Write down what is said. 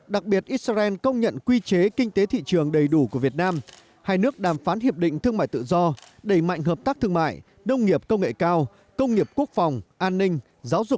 đặc biệt israel công nhận quy chế kinh tế thị trường đầy đủ của việt nam hai nước đàm phán hiệp định thương mại tự do đẩy mạnh hợp tác thương mại nông nghiệp công nghệ cao công nghiệp quốc phòng an ninh giáo dục